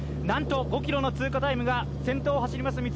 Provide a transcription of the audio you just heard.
なんと５ｋｍの通過タイムが先頭を走ります